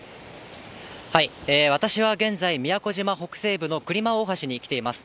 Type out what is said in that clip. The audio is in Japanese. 私は現在、宮古島北西部のくりま大橋に来ています。